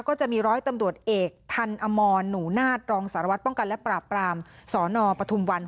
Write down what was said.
ก็จะมีร้อยตำรวจเอกทันอมรหนูนาฏรองสารวัตรป้องกันและปราบปรามสนปฐุมวัน